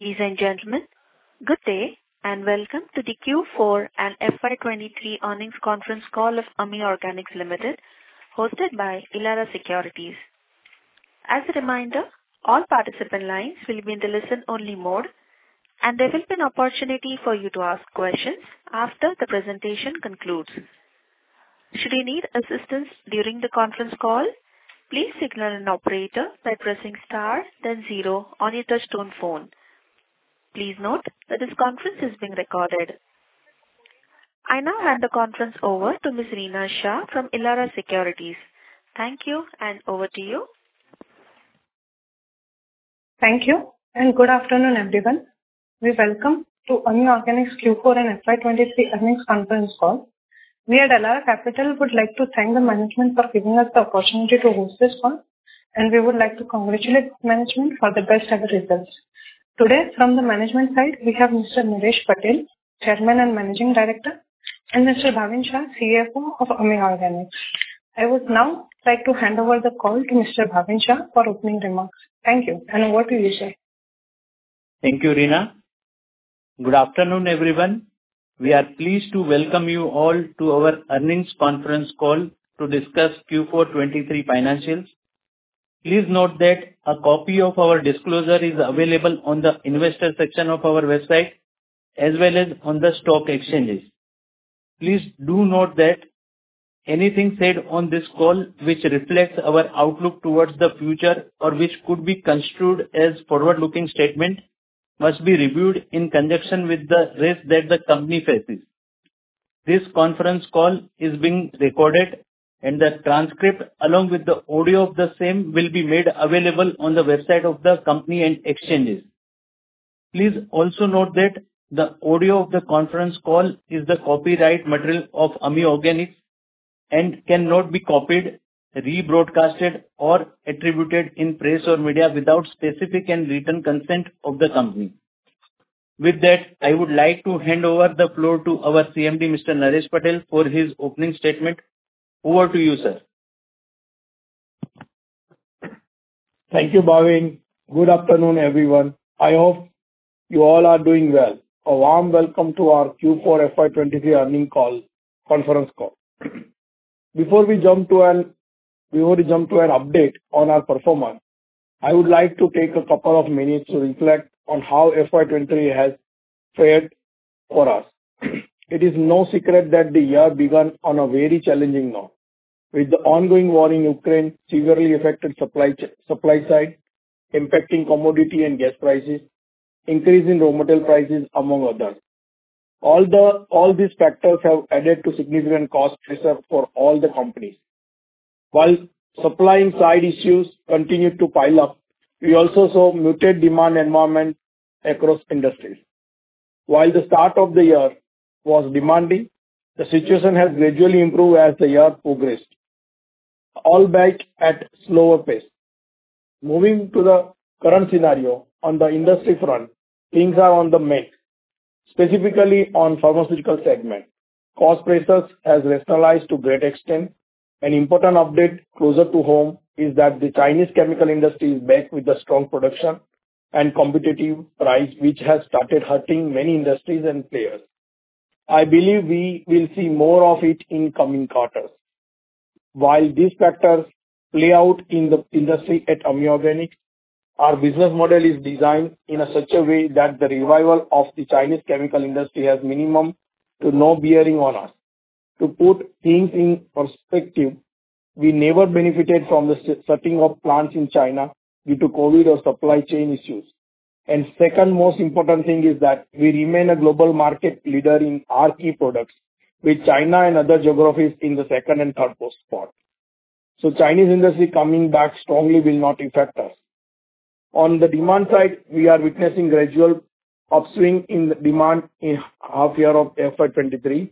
Ladies and gentlemen, good day, and welcome to the Q4 and FY 23 earnings conference call of Ami Organics Limited, hosted by Elara Securities. As a reminder, all participant lines will be in the listen-only mode, and there will be an opportunity for you to ask questions after the presentation concludes. Should you need assistance during the conference call, please an operator by pressing star then zero on your touchtone phone. Please note that this conference is being recorded. I now hand the conference over to Ms. Reena Shah from Elara Securities. Thank you, and over to you. Thank you, and good afternoon, everyone. We welcome to Ami Organics Q4 and FY 23 earnings conference call. We at Elara Capital would like to thank the management for giving us the opportunity to host this call, and we would like to congratulate management for the best ever results. Today, from the management side, we have Mr. Naresh Patel, Chairman and Managing Director, and Mr. Bhavin Shah, CFO of Ami Organics. I would now like to hand over the call to Mr. Bhavin Shah for opening remarks. Thank you, and over to you, sir. Thank you, Reena. Good afternoon, everyone. We are pleased to welcome you all to our earnings conference call to discuss Q4 2023 financials. Please note that a copy of our disclosure is available on the investor section of our website, as well as on the stock exchanges. Please do note that anything said on this call, which reflects our outlook towards the future or which could be construed as forward-looking statement, must be reviewed in conjunction with the risk that the company faces. This conference call is being recorded, and the transcript, along with the audio of the same, will be made available on the website of the company and exchanges. Please also note that the audio of the conference call is the copyright material of Ami Organics and cannot be copied, rebroadcast, or attributed in press or media without specific and written consent of the company. With that, I would like to hand over the floor to our CMD, Mr. Naresh Patel, for his opening statement. Over to you, sir. Thank you, Bhavin. Good afternoon, everyone. I hope you all are doing well. A warm welcome to our Q4 FY 2023 earnings call conference call. Before we jump to an update on our performance, I would like to take a couple of minutes to reflect on how FY 2023 has fared for us. It is no secret that the year began on a very challenging note, with the ongoing war in Ukraine severely affected supply side, impacting commodity and gas prices, increasing raw material prices, among others. All these factors have added to significant cost pressure for all the companies. While supply side issues continued to pile up, we also saw muted demand environment across industries. While the start of the year was demanding, the situation has gradually improved as the year progressed, albeit at slower pace. Moving to the current scenario, on the industry front, things are on the mix, specifically on pharmaceutical segment. Cost pressures has rationalized to a great extent. An important update closer to home is that the Chinese chemical industry is back with a strong production and competitive price, which has started hurting many industries and players. I believe we will see more of it in coming quarters. While these factors play out in the industry at Ami Organics, our business model is designed in such a way that the revival of the Chinese chemical industry has minimum to no bearing on us. To put things in perspective, we never benefited from the shutting of plants in China due to COVID or supply chain issues. Second most important thing is that we remain a global market leader in our key products, with China and other geographies in the second and third position. So Chinese industry coming back strongly will not affect us. On the demand side, we are witnessing gradual upswing in the demand in H2 of FY 2023,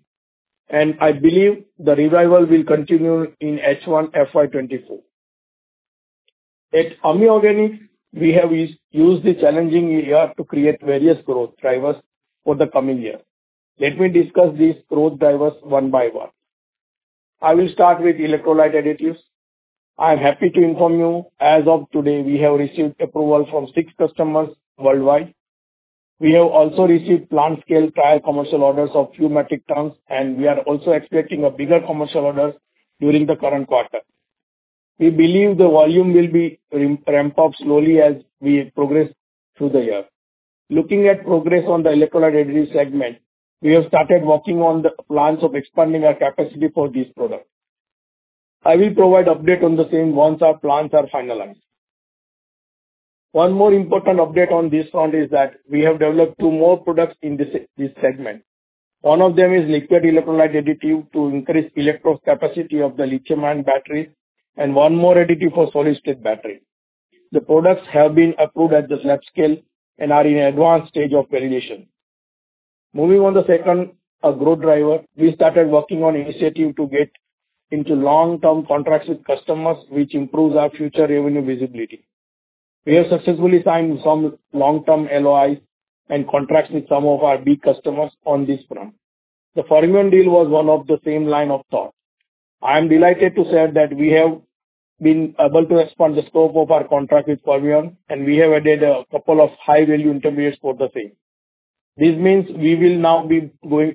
and I believe the revival will continue in H1 FY 2024. At Ami Organics, we have used the challenging year to create various growth drivers for the coming year. Let me discuss these growth drivers one by one. I will start with electrolyte additives. I am happy to inform you, as of today, we have received approval from six customers worldwide. We have also received plant scale trial commercial orders of few metric tons, and we are also expecting a bigger commercial orders during the current quarter. We believe the volume will be ramped up slowly as we progress through the year. Looking at progress on the electrolyte additives segment, we have started working on the plans of expanding our capacity for this product. I will provide update on the same once our plans are finalized. One more important update on this front is that we have developed two more products in this segment. One of them is liquid electrolyte additive to increase electrodes capacity of the lithium-ion battery, and one more additive for solid state battery. The products have been approved at the lab scale and are in advanced stage of validation. Moving on the second growth driver, we started working on initiative to get into long-term contracts with customers, which improves our future revenue visibility. We have successfully signed some long-term LOIs and contracts with some of our big customers on this front. The Fermion deal was one of the same line of thoughts. I am delighted to say that we have been able to expand the scope of our contract with Fermion, and we have added a couple of high-value intermediates for the same. This means we will now be going,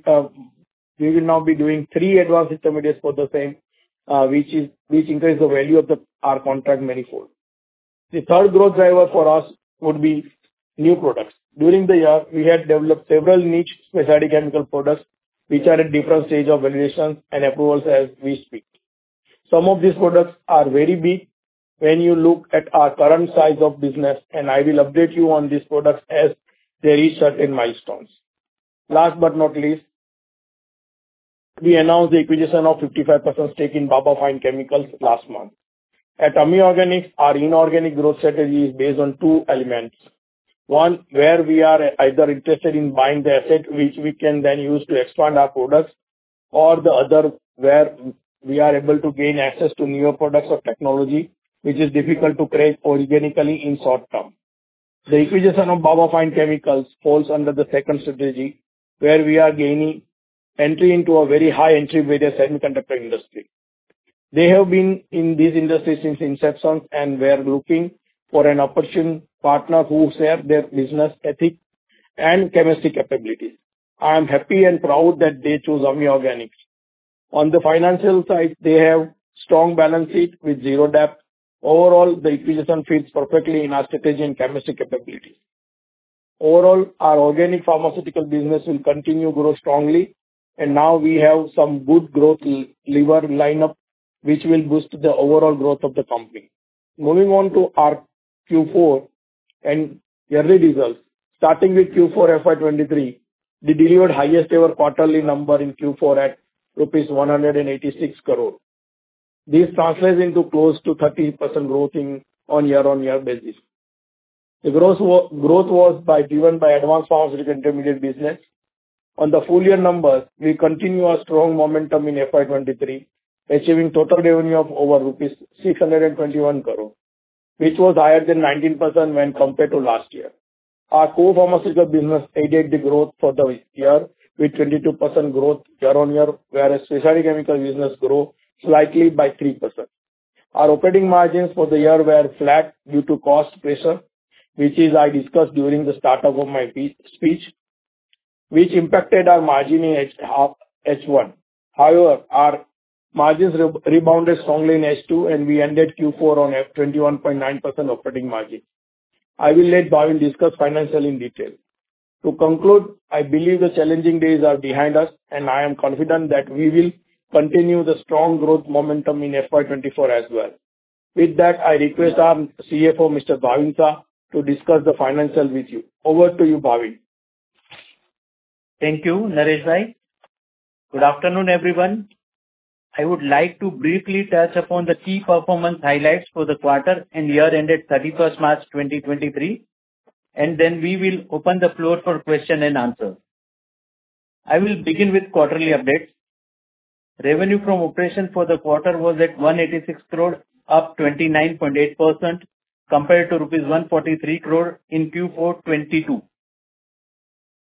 we will now be doing three advanced intermediates for the same, which increase the value of the, our contract manifold. The third growth driver for us would be new products. During the year, we had developed several niche specialty chemical products, which are at different stage of evaluations and approvals as we speak. Some of these products are very big when you look at our current size of business, and I will update you on these products as they reach certain milestones. Last but not least, we announced the acquisition of 55% stake in Baba Fine Chemicals last month. At Ami Organics, our inorganic growth strategy is based on two elements: one, where we are either interested in buying the asset, which we can then use to expand our products, or the other, where we are able to gain access to newer products or technology, which is difficult to create organically in short term. The acquisition of Baba Fine Chemicals falls under the second strategy, where we are gaining entry into a very high entry barrier semiconductor industry. They have been in this industry since inception and were looking for an opportune partner who share their business ethic and chemistry capabilities. I am happy and proud that they chose Ami Organics. On the financial side, they have strong balance sheet with zero debt. Overall, the acquisition fits perfectly in our strategy and chemistry capabilities. Overall, our organic pharmaceutical business will continue to grow strongly, and now we have some good growth lever lineup, which will boost the overall growth of the company. Moving on to our Q4 and yearly results. Starting with Q4 FY 2023, we delivered highest ever quarterly number in Q4 at rupees 186 crore. This translates into close to 30% growth in, on year-on-year basis. The growth was by, driven by advanced pharmaceutical intermediate business. On the full year numbers, we continue our strong momentum in FY 2023, achieving total revenue of over rupees 621 crore, which was higher than 19% when compared to last year. Our core pharmaceutical business aided the growth for the year, with 22% growth year-on-year, whereas specialty chemical business grow slightly by 3%. Our operating margins for the year were flat due to cost pressure, which, as I discussed during the start of my speech, which impacted our margin in H1. However, our margins rebounded strongly in H2, and we ended Q4 at 21.9% operating margin. I will let Bhavin discuss financial in detail. To conclude, I believe the challenging days are behind us, and I am confident that we will continue the strong growth momentum in FY 2024 as well. With that, I request our CFO, Mr. Bhavin Shah, to discuss the financials with you. Over to you, Bhavin. Thank you, Naresh Bhai. Good afternoon, everyone. I would like to briefly touch upon the key performance highlights for the quarter and year ended 31 March 2023, and then we will open the floor for question and answer. I will begin with quarterly updates. Revenue from operation for the quarter was at 186 crore, up 29.8%, compared to rupees 143 crore in Q4 2022.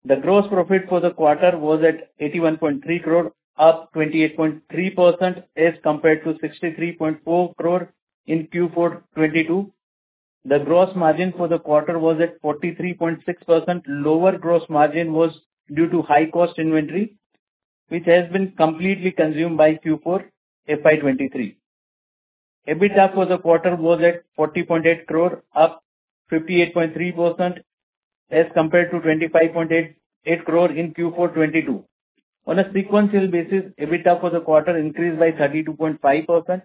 The gross profit for the quarter was at 81.3 crore, up 28.3% as compared to 63.4 crore in Q4 2022. The gross margin for the quarter was at 43.6%. Lower gross margin was due to high cost inventory, which has been completely consumed by Q4, FY 2023. EBITDA for the quarter was at 40.8 crore, up 58.3% as compared to 25.88 crore in Q4 2022. On a sequential basis, EBITDA for the quarter increased by 32.5%.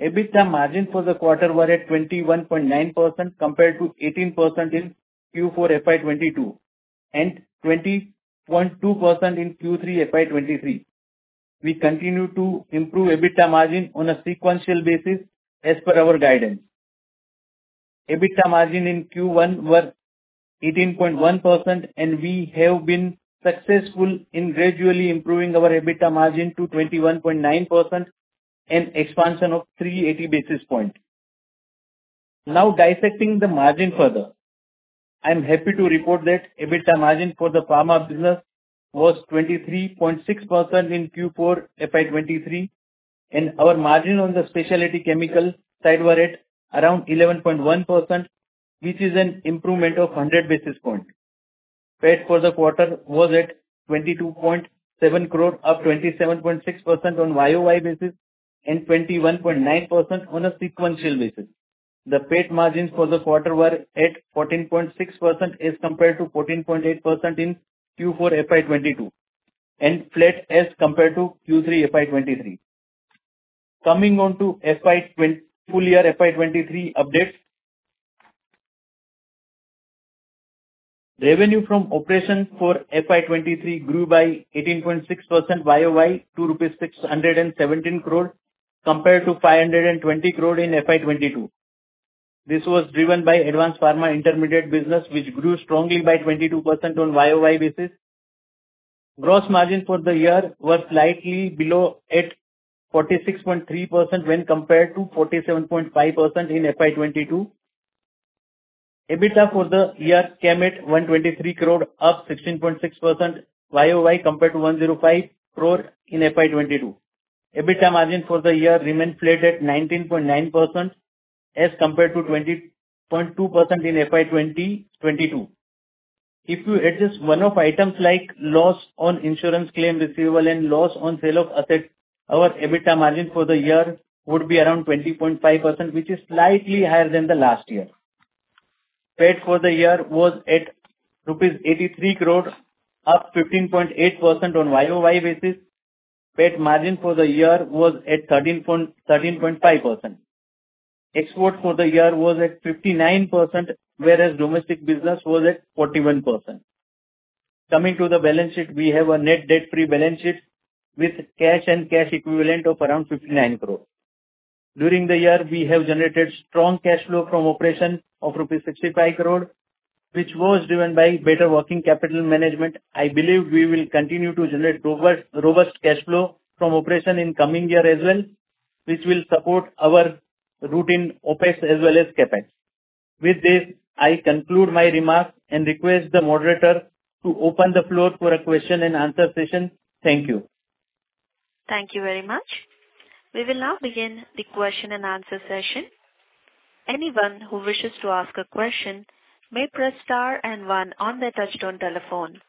EBITDA margins for the quarter were at 21.9%, compared to 18% in Q4 FY 2022, and 20.2% in Q3 FY 2023. We continue to improve EBITDA margin on a sequential basis as per our guidance. EBITDA margin in Q1 were 18.1%, and we have been successful in gradually improving our EBITDA margin to 21.9%, an expansion of 380 basis point. Now, dissecting the margin further, I am happy to report that EBITDA margin for the pharma business was 23.6% in Q4 FY 2023, and our margin on the specialty chemical side were at around 11.1%, which is an improvement of 100 basis points. PAT for the quarter was at 22.7 crore, up 27.6% on YOY basis, and 21.9% on a sequential basis. The PAT margins for the quarter were at 14.6%, as compared to 14.8% in Q4 FY 2022, and flat as compared to Q3 FY 2023. Coming on to full year FY 2023 updates. Revenue from operation for FY 2023 grew by 18.6% YOY to 617 crore, compared to 520 crore in FY 2022. This was driven by advanced pharma intermediate business, which grew strongly by 22% on YOY basis. Gross margins for the year were slightly below at 46.3% when compared to 47.5% in FY 2022.... EBITDA for the year came at 123 crore, up 16.6% YOY compared to 105 crore in FY 2022. EBITDA margin for the year remained flat at 19.9% as compared to 20.2% in FY 2022. If you adjust one-off items like loss on insurance claim receivable and loss on sale of assets, our EBITDA margin for the year would be around 20.5%, which is slightly higher than the last year. PAT for the year was at rupees 83 crore, up 15.8% on YOY basis. VAT margin for the year was at 13.5%. Export for the year was at 59%, whereas domestic business was at 41%. Coming to the balance sheet, we have a net debt-free balance sheet with cash and cash equivalent of around 59 crore. During the year, we have generated strong cash flow from operation of rupees 65 crore, which was driven by better working capital management. I believe we will continue to generate robust, robust cash flow from operation in coming year as well, which will support our routine OpEx as well as CapEx. With this, I conclude my remarks and request the moderator to open the floor for a question and answer session. Thank you. Thank you very much. We will now begin the question and answer session. Anyone who wishes to ask a question may press star and one on their touch-tone telephone.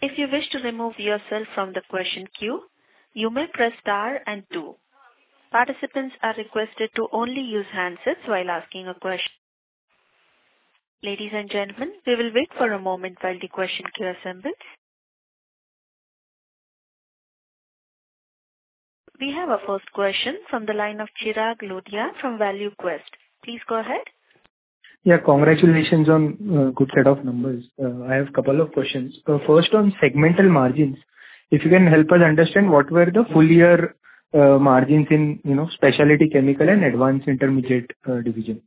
If you wish to remove yourself from the question queue, you may press star and two. Participants are requested to only use handsets while asking a question. Ladies and gentlemen, we will wait for a moment while the question queue assembles. We have our first question from the line of Chirag Lodaya from ValueQuest. Please go ahead. Yeah, congratulations on a good set of numbers. I have a couple of questions. First, on segmental margins, if you can help us understand what were the full year margins in, you know, specialty chemical and advanced intermediate division?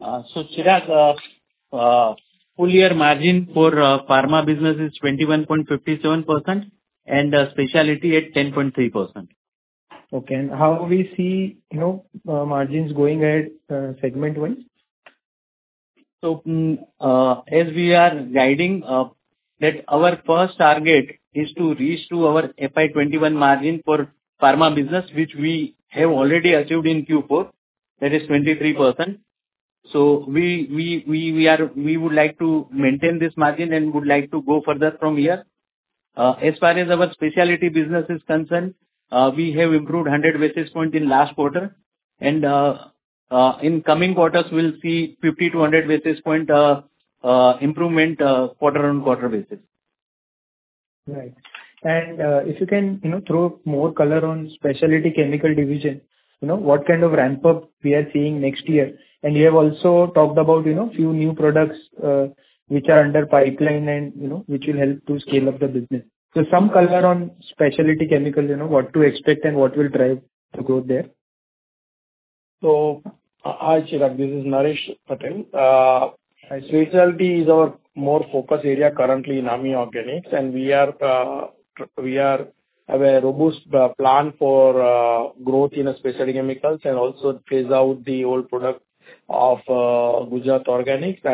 So Chirag, full year margin for pharma business is 21.57% and specialty at 10.3%. Okay. How we see, you know, margins going ahead, segment-wise? So, as we are guiding, that our first target is to reach to our FY 21 margin for pharma business, which we have already achieved in Q4, that is 23%. So we would like to maintain this margin and would like to go further from here. As far as our specialty business is concerned, we have improved 100 basis points in last quarter, and in coming quarters, we'll see 50-100 basis points improvement, quarter-on-quarter basis. Right. And, if you can, you know, throw more color on specialty chemical division, you know, what kind of ramp up we are seeing next year? And you have also talked about, you know, few new products, which are under pipeline and, you know, which will help to scale up the business. So some color on specialty chemicals, you know, what to expect and what will drive the growth there. So, hi, Chirag, this is Naresh Patel. Specialty is our more focus area currently in Ami Organics, and we have a robust plan for growth in the specialty chemicals and also phase out the old product of Gujarat Organics.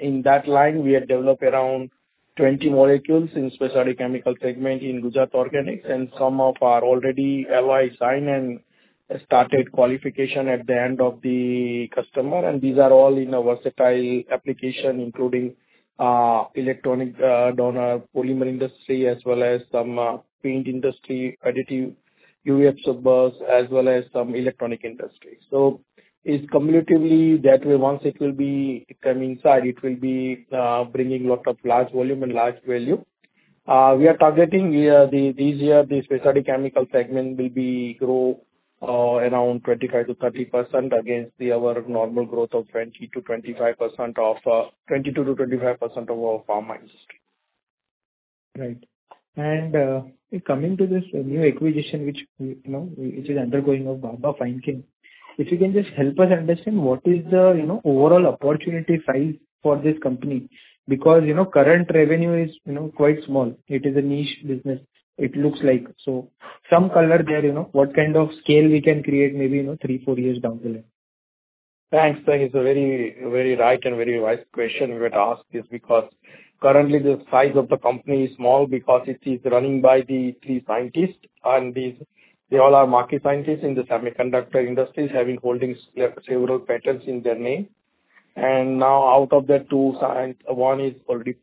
In that line, we have developed around 20 molecules in specialty chemical segment in Gujarat Organics, and some of our already LOI signed and started qualification at the end of the customer. These are all in a versatile application, including electronic donor polymer industry, as well as some paint industry additive, UVC bulbs, as well as some electronic industry. So it's cumulatively that once it will be coming inside, it will be bringing lot of large volume and large value. We are targeting this year the specialty chemical segment will be grow around 25%-30% against our normal growth of 20%-25% of 22%-25% of our pharma industry. Right. And coming to this new acquisition, which, you know, which is undergoing of Baba Fine Chemicals, if you can just help us understand what is the, you know, overall opportunity size for this company? Because, you know, current revenue is, you know, quite small. It is a niche business, it looks like. So some color there, you know, what kind of scale we can create, maybe, you know, three, four years down the line. Thanks. That is a very, very right and very wise question you had asked this, because currently the size of the company is small, because it is running by the three scientists, and these, they all are market scientists in the semiconductor industries, having holdings several patents in their name. And now, out of the two one is already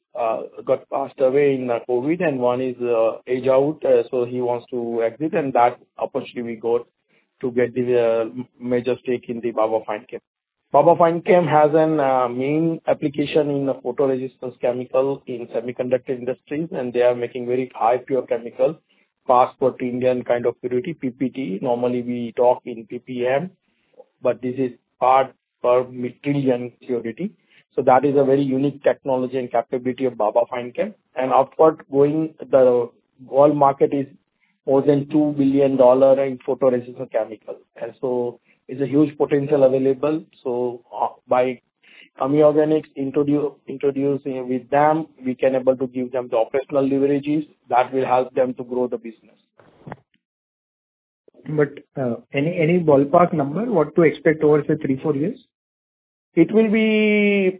got passed away in COVID, and one is age out, so he wants to exit, and that opportunity we got to get the major stake in the Baba Fine Chem. Baba Fine Chem has a main application in the photoresist chemical in semiconductor industry, and they are making very high pure chemicals, parts per trillion kind of purity, PPT. Normally, we talk in PPM, but this is part per trillion purity, so that is a very unique technology and capability of Baba Fine Chemicals. And outward going, the world market is more than $2 billion in photoresist chemical, and so is a huge potential available. So, by Ami Organics introducing with them, we can able to give them the operational leverages that will help them to grow the business.... But, any ballpark number what to expect over say three, four years? It will be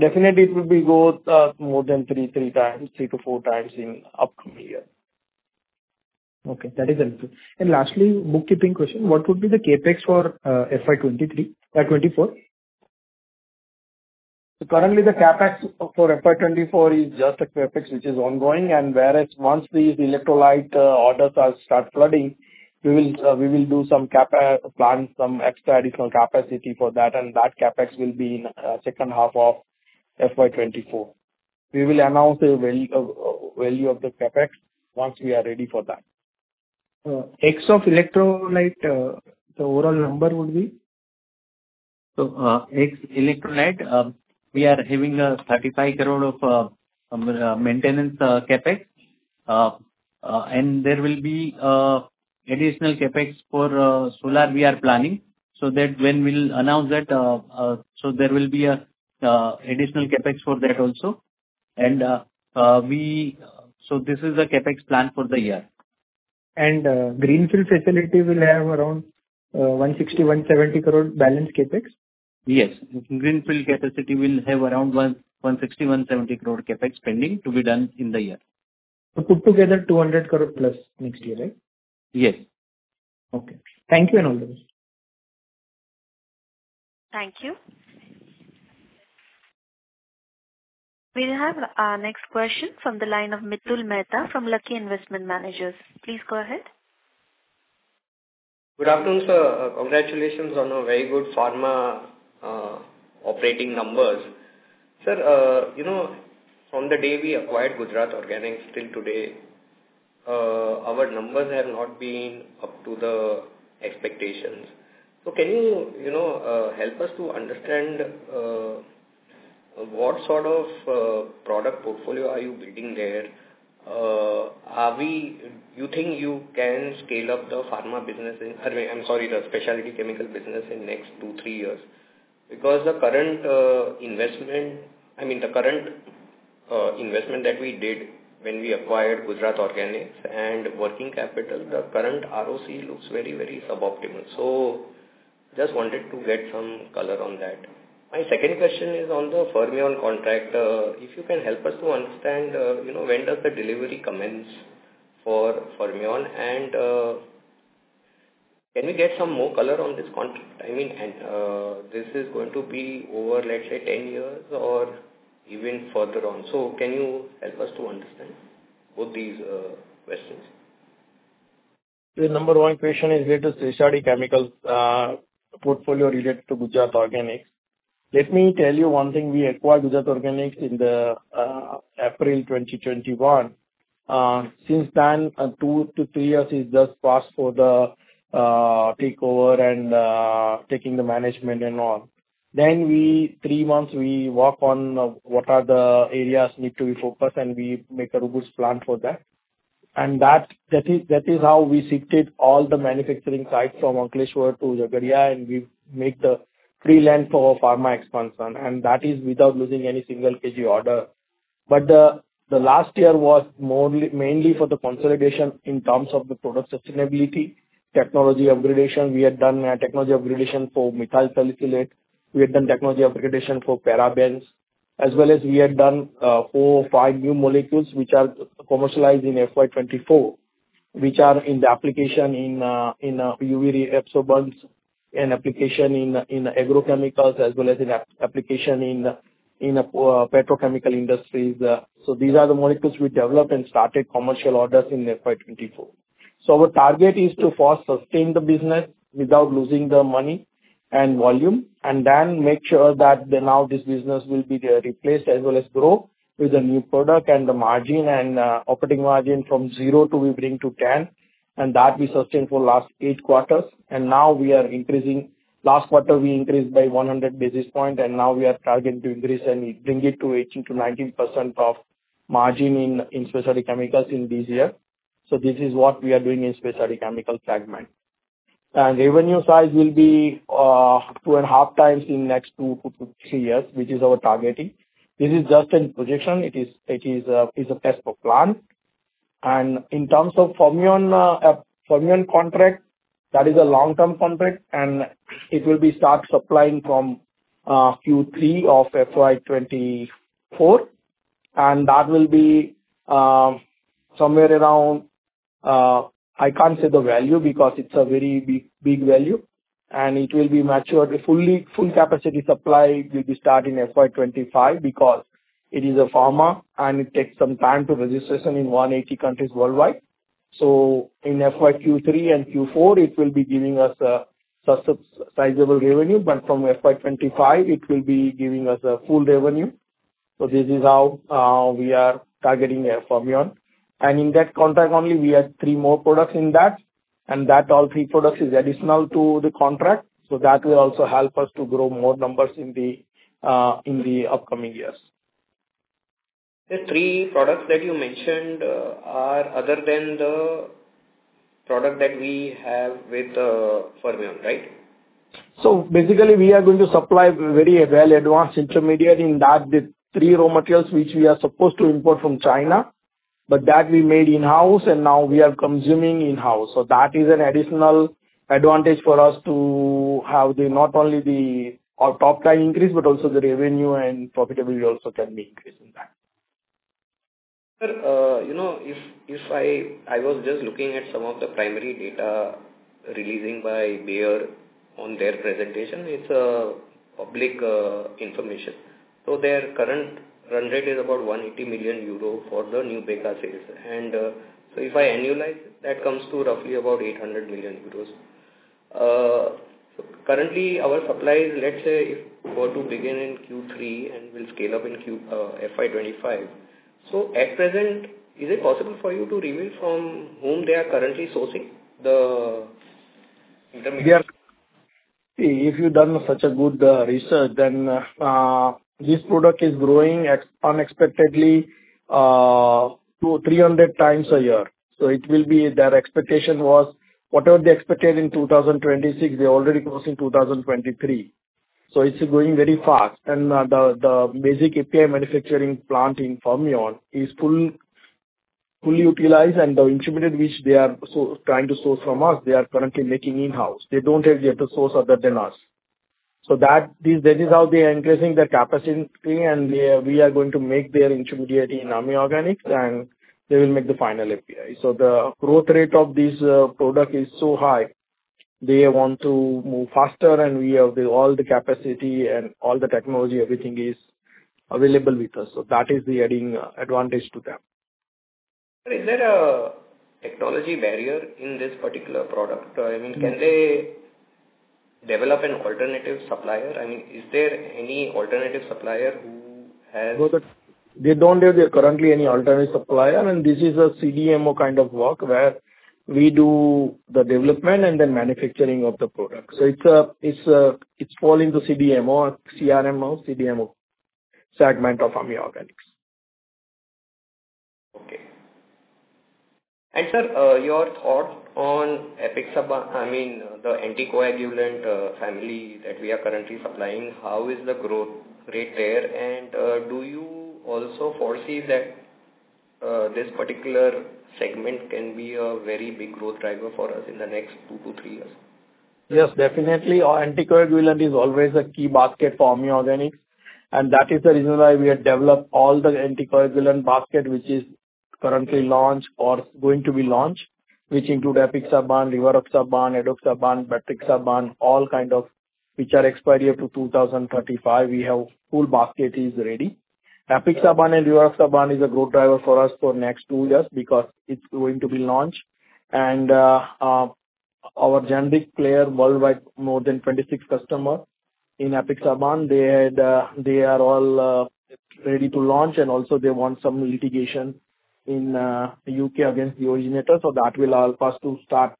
definitely it will be growth more than 3, 3 times, 3 to 4 times in upcoming year. Okay, that is helpful. Lastly, bookkeeping question: What would be the CapEx for FY 2023, 2024? So currently the CapEx for FY 2024 is just a CapEx, which is ongoing, and whereas once these electrolyte orders are start flooding, we will, we will do some CapEx plan, some extra additional capacity for that, and that CapEx will be in second half of FY 2024. We will announce the value, value of the CapEx once we are ready for that. Ex of electrolyte, the overall number would be? So, electrolyte, we are having 35 crore of maintenance CapEx. There will be additional CapEx for solar we are planning, so that when we'll announce that, so there will be a additional CapEx for that also. So this is the CapEx plan for the year. Greenfield facility will have around 160 crore-170 crore balance CapEx? Yes. Greenfield capacity will have around 160 crore-170 crore CapEx pending to be done in the year. Put together 200 crore plus next year, right? Yes. Okay. Thank you, and all the best. Thank you. We'll have our next question from the line of Mitul Mehta from Lucky Investment Managers. Please go ahead. Good afternoon, sir. Congratulations on a very good pharma operating numbers. Sir, you know, from the day we acquired Gujarat Organics till today, our numbers have not been up to the expectations. So can you, you know, help us to understand, what sort of product portfolio are you building there? You think you can scale up the pharma business in, I'm sorry, the specialty chemical business in next two, three years? Because the current investment, I mean, the current investment that we did when we acquired Gujarat Organics and working capital, the current ROC looks very, very suboptimal. So just wanted to get some color on that. My second question is on the Fermion contract. If you can help us to understand, you know, when does the delivery commence for Fermion? Can we get some more color on this contract? I mean, this is going to be over, let's say, 10 years or even further on. So can you help us to understand both these questions? The number one question is related to specialty chemicals portfolio related to Gujarat Organics. Let me tell you one thing, we acquired Gujarat Organics in April 2021. Since then, 2-3 years is just passed for the takeover and taking the management and all. Then we, 3 months we work on what are the areas need to be focused, and we make a robust plan for that. And that, that is, that is how we shifted all the manufacturing sites from Ankleshwar to Jhagadia, and we make the free land for pharma expansion, and that is without losing any single kg order. But the last year was mainly for the consolidation in terms of the product sustainability, technology upgrade. We had done a technology upgrade for Methyl Salicylate. We had done technology upgradation for parabens, as well as we had done four or five new molecules which are commercialized in FY 2024, which are in the application in UV absorbers and application in agrochemicals as well as in application in petrochemical industries. So these are the molecules we developed and started commercial orders in FY 2024. So our target is to first sustain the business without losing the money and volume, and then make sure that now this business will be replaced as well as grow with the new product. And the margin and operating margin from zero to we bring to 10, and that we sustained for last eight quarters. And now we are increasing. Last quarter, we increased by 100 basis points, and now we are targeting to increase and bring it to 18%-19% of margin in specialty chemicals in this year. So this is what we are doing in specialty chemical segment. And revenue size will be 2.5 times in next 2-3 years, which is our targeting. This is just a projection. It is a best for plan. And in terms of Fermion, Fermion contract, that is a long-term contract, and it will be start supplying from Q3 of FY 2024. And that will be somewhere around, I can't say the value because it's a very big, big value, and it will be matured fully. Full capacity supply will be start in FY 2025 because it is a pharma and it takes some time to registration in 180 countries worldwide. So in FY Q3 and Q4, it will be giving us a substantial revenue, but from FY 2025 it will be giving us a full revenue. So this is how we are targeting Fermion. And in that contract only, we have 3 more products in that, and that all 3 products is additional to the contract, so that will also help us to grow more numbers in the upcoming years. The three products that you mentioned are other than the product that we have with Fermion, right?... So basically, we are going to supply very well advanced intermediate, in that the three raw materials which we are supposed to import from China, but that we made in-house, and now we are consuming in-house. So that is an additional advantage for us to have the, not only the, our top line increase, but also the revenue and profitability also can be increased in that. Sir, you know, if, if I was just looking at some of the primary data releasing by Bayer on their presentation, it's public information. So their current run rate is about 180 million euro for the Nubeqa sales. And, so if I annualize, that comes to roughly about 800 million euros. Currently, our supply, let's say, if were to begin in Q3 and will scale up in Q, FY 2025, so at present, is it possible for you to reveal from whom they are currently sourcing the intermediate? Yeah. If you've done such a good research, then this product is growing unexpectedly 200-300 times a year. So it will be... Their expectation was, whatever they expected in 2026, they're already closing 2023. So it's growing very fast. And the basic API manufacturing plant in Fermion is fully utilized, and the intermediate which they are trying to source from us, they are currently making in-house. They don't have yet to source other than us. So that is how they are increasing their capacity, and we are going to make their intermediate in Ami Organics, and they will make the final API. So the growth rate of this product is so high, they want to move faster, and we have all the capacity and all the technology, everything is available with us. So that is the adding advantage to them. Sir, is there a technology barrier in this particular product? I mean, can they develop an alternative supplier? I mean, is there any alternative supplier who has- They don't have currently any alternative supplier, and this is a CDMO kind of work, where we do the development and then manufacturing of the product. So it's, it's, it's falling to CDMO, CRMO, CDMO, segment of Fermion. Okay. And, sir, your thought on Apixaban, I mean, the anticoagulant, family that we are currently supplying, how is the growth rate there? And, do you also foresee that, this particular segment can be a very big growth driver for us in the next two to three years? Yes, definitely. Our anticoagulant is always a key basket for Ami Organics, and that is the reason why we have developed all the anticoagulant basket, which is currently launched or going to be launched, which include Apixaban, Rivaroxaban, Edoxaban, Betrixaban, all kind of, which are expiry up to 2035. We have full basket is ready. Apixaban and Rivaroxaban is a growth driver for us for next two years because it's going to be launched. And, our generic player worldwide, more than 26 customer in Apixaban, they are the, they are all, ready to launch, and also they want some litigation in, the UK against the originator, so that will allow us to start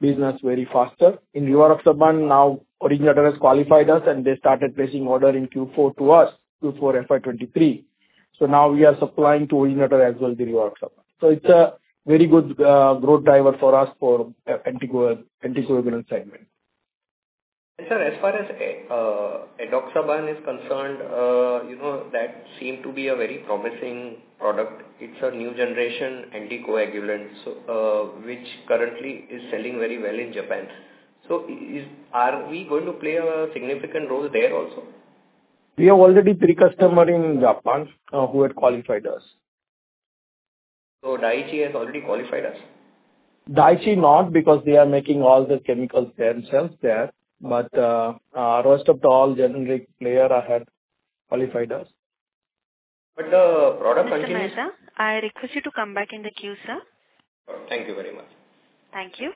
business very faster. In Rivaroxaban, now originator has qualified us, and they started placing order in Q4 to us, Q4 FY 2023. So now we are supplying to originator as well, the Rivaroxaban. So it's a very good growth driver for us for the anticoagulant segment. Sir, as far as a Edoxaban is concerned, you know, that seemed to be a very promising product. It's a new generation anticoagulant, so, which currently is selling very well in Japan. So, are we going to play a significant role there also? We have already three customers in Japan who had qualified us. Daiichi has already qualified us? Daiichi, not because they are making all the chemicals themselves there, but rest of the all generic player have qualified us. But the product- Mr. Mehta, I request you to come back in the queue, sir. Thank you very much. Thank you.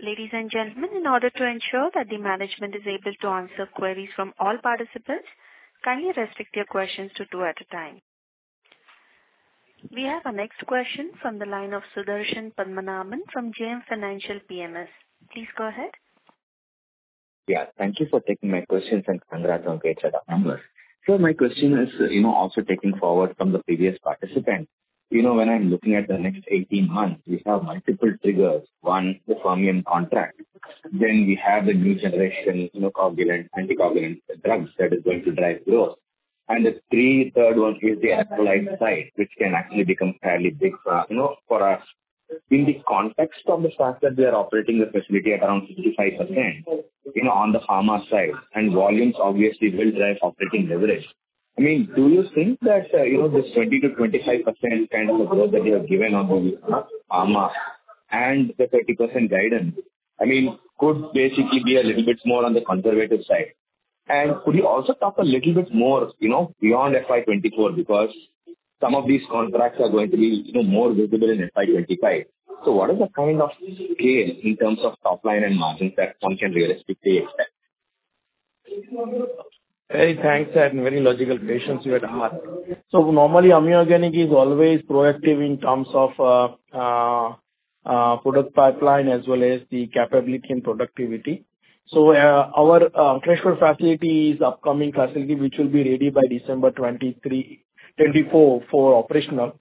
Ladies and gentlemen, in order to ensure that the management is able to answer queries from all participants, kindly restrict your questions to two at a time. We have our next question from the line of Sudarshan Padmanabhan from JM Financial PMS. Please go ahead. Yeah, thank you for taking my questions, and congrats on great set of numbers. So my question is, you know, also taking forward from the previous participant, you know, when I'm looking at the next 18 months, we have multiple triggers. One, the Fermion contract, then we have the new generation, you know, coagulant, anticoagulant drugs that is going to drive growth. And the third one is the electrolyte side, which can actually become fairly big, you know, for us. In the context of the fact that we are operating the facility at around 65%, you know, on the pharma side, and volumes obviously will drive operating leverage, I mean, do you think that, you know, this 20%-25% kind of growth that you have given on, pharma and the 30% guidance, I mean, could basically be a little bit more on the conservative side? And could you also talk a little bit more, you know, beyond FY 2024, because some of these contracts are going to be, you know, more visible in FY 2025. So what is the kind of scale in terms of top line and margin that one can realistically expect? Hey, thanks, and very logical questions you had asked. So normally, Ami Organics is always proactive in terms of product pipeline as well as the capability and productivity. So our Ankleshwar facility is upcoming facility, which will be ready by December 2023-2024 for operational.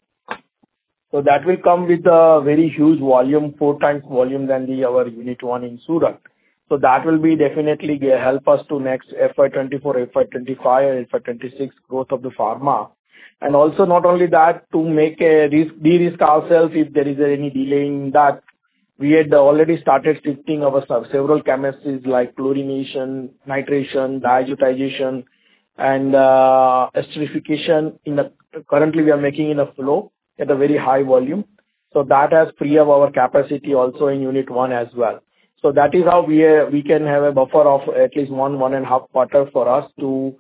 So that will come with a very huge volume, four times volume than our unit one in Surat. So that will be definitely help us to next FY 2024, FY 2025, and FY 2026 growth of the pharma. And also not only that, to make a risk de-risk ourselves, if there is any delay in that, we had already started shifting our several chemistries, like chlorination, nitration, diazotization, and esterification. In the currently, we are making in a flow at a very high volume, so that has free up our capacity also in unit one as well. So that is how we can have a buffer of at least one to one and a half quarters for us to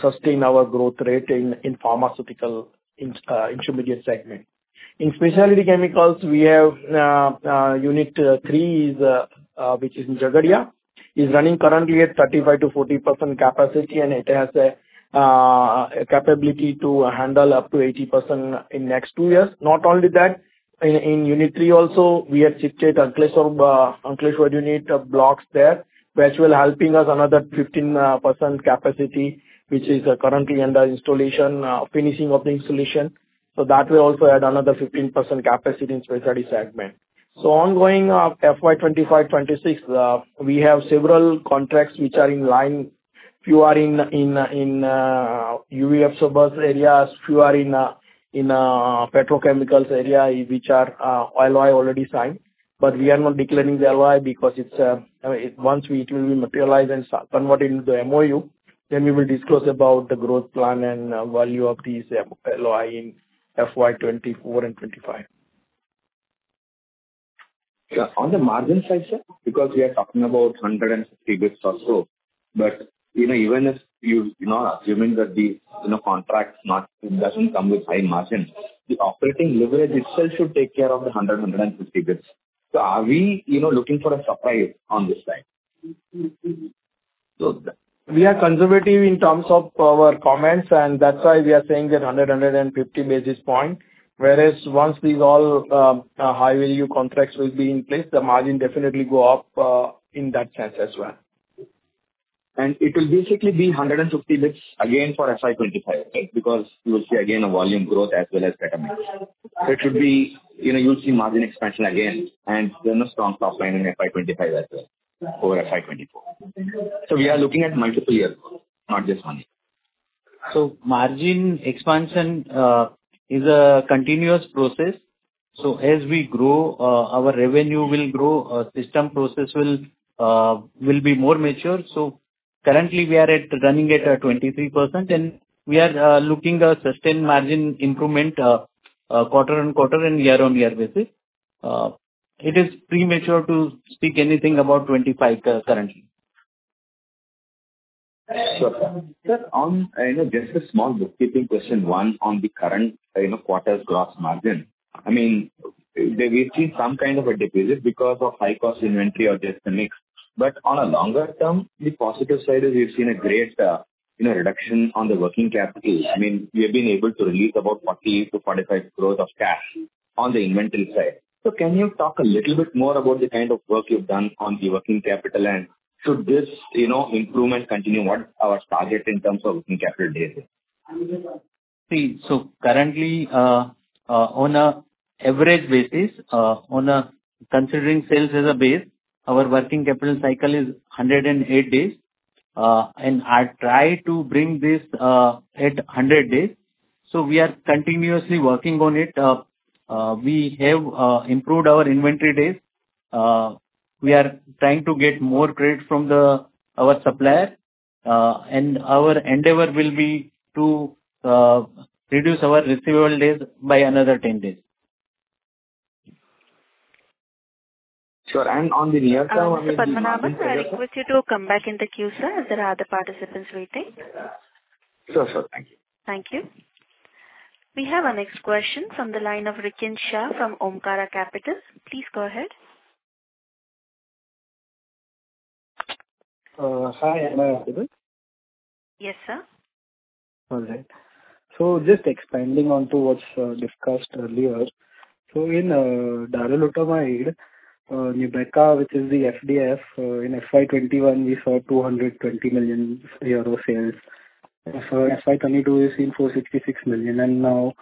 sustain our growth rate in pharmaceutical intermediate segment. In specialty chemicals, we have Unit 3, which is in Jhagadia, is running currently at 35%-40% capacity, and it has a capability to handle up to 80% in next two years. Not only that, in Unit 3 also, we had shifted at least one unit of blocks there, which will helping us another 15% capacity, which is currently under installation, finishing of the installation. So that will also add another 15% capacity in specialty segment. So ongoing FY 2025, 2026, we have several contracts which are in line. Few are in UV absorbers areas, few are in petrochemicals area, which are LOI already signed. But we are not declaring the LOI because it's, I mean, once it will be materialized and convert into MOU, then we will disclose about the growth plan and value of these LOI in FY 2024 and 2025. Yeah. On the margin side, sir, because we are talking about 150 bits or so, but, you know, even if you, you know, assuming that the, you know, contracts not, it doesn't come with high margin, the operating leverage itself should take care of the 100, 150 bits. So are we, you know, looking for a surprise on this side? We are conservative in terms of our comments, and that's why we are saying that 100-150 basis points. Whereas once these all high value contracts will be in place, the margin definitely go up, in that sense as well. It will basically be 150 basis points again for FY 2025, right? Because you'll see again a volume growth as well as better mix. It should be, you know, you'll see margin expansion again and then a strong top line in FY 2025 as well, over FY 2024. So we are looking at multiple years, not just one year. So margin expansion is a continuous process. So as we grow, our revenue will grow, our system process will be more mature. So currently, we are running at 23%, and we are looking at a sustained margin improvement quarter-on-quarter and year-on-year basis. It is premature to speak anything about 25 currently. Sure, sir. Sir, on, you know, just a small bookkeeping question. One, on the current, you know, quarter's gross margin, I mean, we've seen some kind of a decrease because of high-cost inventory or just the mix. But on a longer term, the positive side is we've seen a great, you know, reduction on the working capital. I mean, we have been able to release about 40-45 crores of cash on the inventory side. So can you talk a little bit more about the kind of work you've done on the working capital? And should this, you know, improvement continue, what's our target in terms of working capital days? See, so currently, on an average basis, considering sales as a base, our working capital cycle is 108 days, and I try to bring this at 100 days. So we are continuously working on it. We have improved our inventory days. We are trying to get more credit from our supplier, and our endeavor will be to reduce our receivable days by another 10 days. Sure. On the near term- Padmanabhan, I request you to come back in the queue, sir, as there are other participants waiting. Sure, sir. Thank you. Thank you. We have our next question from the line of Rikin Shah from Omkara Capital. Please go ahead. Hi, am I audible? Yes, sir. All right. So just expanding on to what's discussed earlier. So in Darolutamide, Nubeqa, which is the FDF, in FY 2021, we saw 220 million euro sales. So FY 2022, we've seen 466 million, and now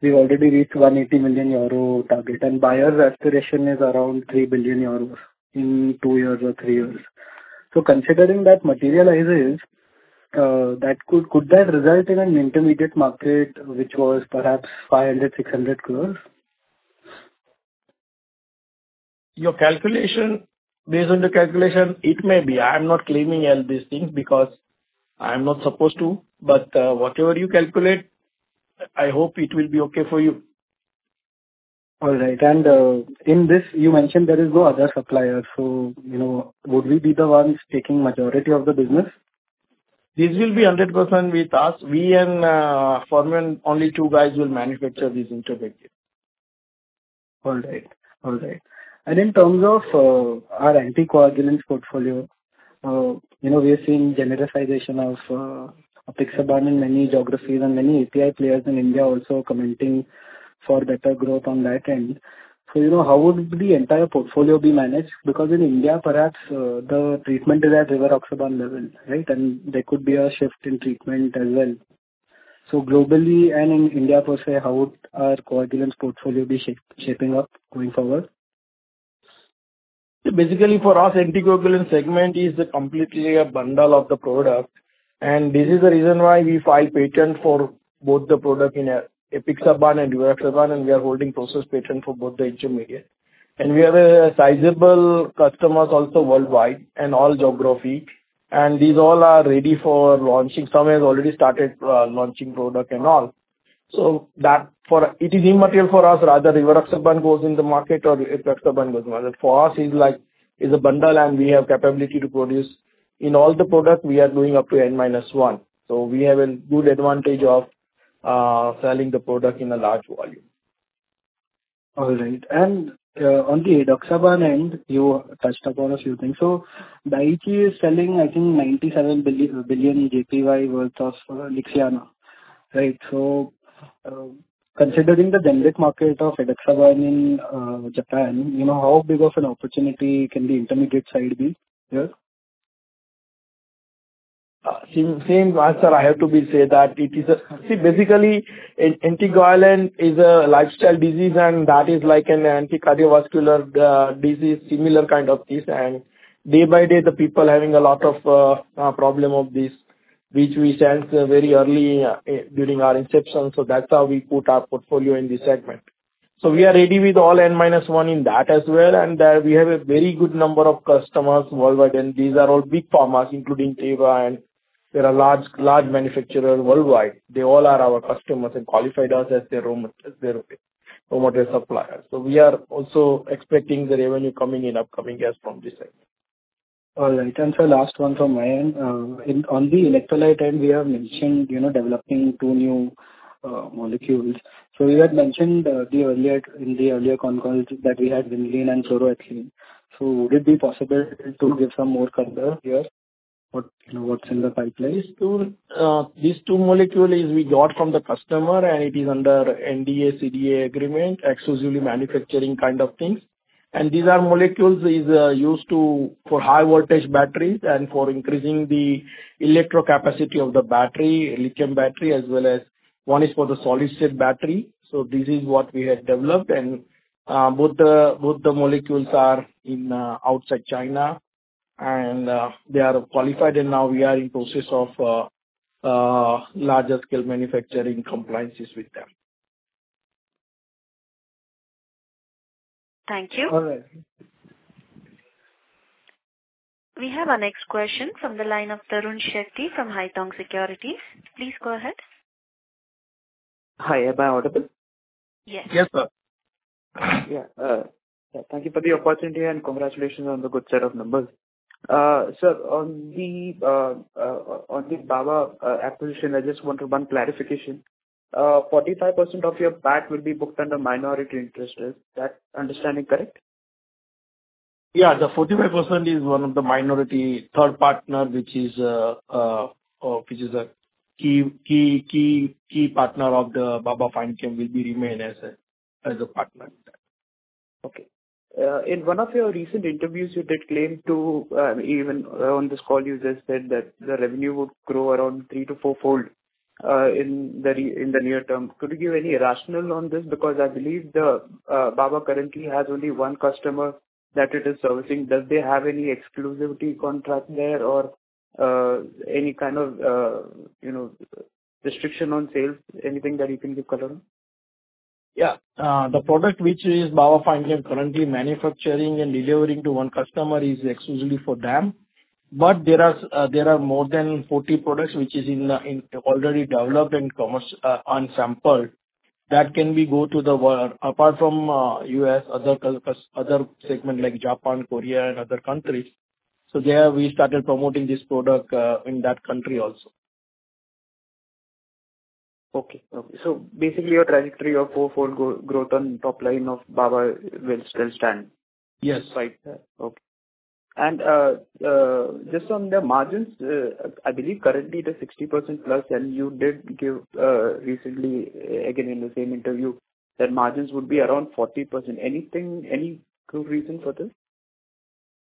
we've already reached 180 million euro target, and Bayer's aspiration is around 3 billion euros in two years or three years. So considering that materializes, that could—could that result in an intermediate market, which was perhaps 500-600 crores? Your calculation, based on the calculation, it may be. I'm not claiming all these things because I'm not supposed to, but, whatever you calculate, I hope it will be okay for you. All right. And, in this, you mentioned there is no other supplier, so, you know, would we be the ones taking majority of the business? This will be 100% with us. We and Fermion, only two guys, will manufacture this intermediate. All right. All right. In terms of our anticoagulants portfolio, you know, we have seen genericization of Apixaban in many geographies, and many API players in India also commenting for better growth on that end. So, you know, how would the entire portfolio be managed? Because in India, perhaps, the treatment is at Rivaroxaban level, right? And there could be a shift in treatment as well. So globally and in India, per se, how would our anticoagulants portfolio be shaping up going forward? Basically, for us, anticoagulant segment is completely a bundle of the products, and this is the reason why we file patent for both the product in Apixaban and Rivaroxaban, and we are holding process patent for both the intermediate. And we have a sizable customers also worldwide and all geography, and these all are ready for launching. Some have already started, launching product and all. So that for a-- it is immaterial for us whether Rivaroxaban goes in the market or Apixaban goes in the market. For us, is like, is a bundle, and we have capability to produce. In all the products, we are doing up to N minus one. So we have a good advantage of, selling the product in a large volume. All right. And, on the Edoxaban end, you touched upon a few things. So Daiichi is selling, I think, JPY 97 billion worth of Lixiana, right? So, considering the generic market of Edoxaban in Japan, you know, how big of an opportunity can the intermediate side be here? Same, same answer. I have to be say that it is a... See, basically, an anticoagulant is a lifestyle disease, and that is like an anti-cardiovascular disease, similar kind of this. Day by day, the people are having a lot of problem of this, which we sense very early during our inception. So that's how we put our portfolio in this segment. So we are ready with all N minus one in that as well, and we have a very good number of customers worldwide, and these are all big pharmas, including Teva, and they are a large, large manufacturer worldwide. They all are our customers and qualified us as their own, as their, own suppliers. So we are also expecting the revenue coming in, upcoming years from this side. All right, sir, last one from my end. In on the electrolyte end, we have mentioned, you know, developing two new molecules. So you had mentioned in the earlier con call that we had Vinylene and Fluoroethylene. So would it be possible to give some more color here, what, what's in the pipeline? So, these two molecule is we got from the customer, and it is under NDA, CDA agreement, exclusively manufacturing kind of things. And these are molecules is, used to, for high voltage batteries and for increasing the electro capacity of the battery, lithium battery, as well as one is for the solid state battery. So this is what we have developed. And, both the molecules are in, outside China, and, they are qualified, and now we are in process of, larger scale manufacturing compliances with them. Thank you. All right. We have our next question from the line of Tarun Shetty from Haitong Securities. Please go ahead. Hi, am I audible? Yes. Yes, sir. Yeah, thank you for the opportunity, and congratulations on the good set of numbers. Sir, on the Baba acquisition, I just want one clarification. 45% of your PAT will be booked under minority interest. Is that understanding correct? Yeah, the 45% is one of the minority, third partner, which is a key partner of the Baba Fine Chemicals, will be remain as a partner. Okay. In one of your recent interviews, you did claim to, even on this call, you just said that the revenue would grow around 3 to 4-fold, in the near term. Could you give any rationale on this? Because I believe the Baba currently has only one customer that it is servicing. Does they have any exclusivity contract there or, any kind of, you know, restriction on sales? Anything that you can give color on? Yeah, the product which is Baba Fine Chemicals currently manufacturing and delivering to one customer is exclusively for them. But there are more than 40 products, which is in already developed and commercialized on sample, that can go to the world. Apart from U.S., other segments like Japan, Korea, and other countries. So there we started promoting this product in those countries also. Okay. Okay, so basically, your trajectory of fourfold growth on top line of Baba will still stand? Yes. Right. Okay. And, just on the margins, I believe currently it is 60% plus, and you did give, recently, again, in the same interview, that margins would be around 40%. Anything, any good reason for this?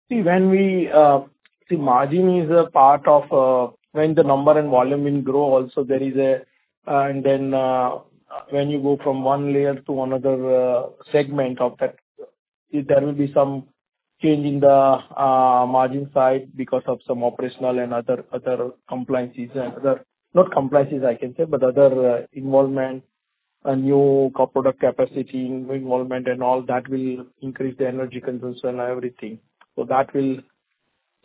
See, when we see, margin is a part of when the number and volume will grow also, there is a... Then, when you go from one layer to another segment of that, there will be some change in the margin side because of some operational and other compliances and other, not compliances, I can say, but other involvement, a new product capacity involvement and all that will increase the energy consumption and everything. So that will...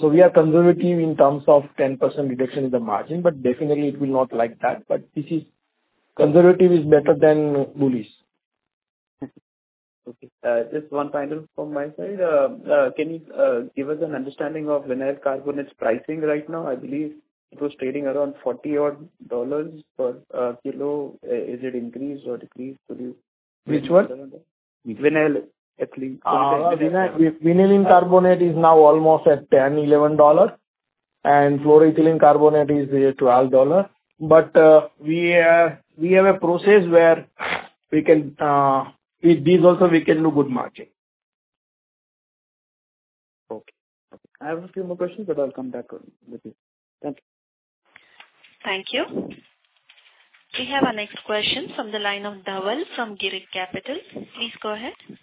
So we are conservative in terms of 10% reduction in the margin, but definitely it will not like that. But this is, conservative is better than bullish. Okay, just one final from my side. Can you give us an understanding of vinylene carbonate pricing right now? I believe it was trading around $40-odd per kilo. Is it increased or decreased, could you- Which one? Vinyl ethylene. Vinylene Carbonate is now almost at $10-$11. Fluoroethylene Carbonate is $12. But we have a process where we can, with these also we can do good margin. Okay. I have a few more questions, but I'll come back on with you. Thank you. Thank you. We have our next question from the line of Dhawal from Girik Capital. Please go ahead. Yeah,